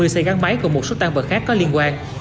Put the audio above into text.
hai mươi xe gắn máy và một số tang bậc khác có liên quan